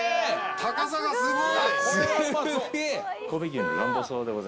高さがすごい！